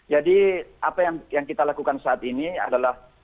jadi apa yang kita lakukan saat ini adalah